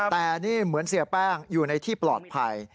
แต่นี่เหมือนเสียแป้งอยู่ในที่ปลอดภัย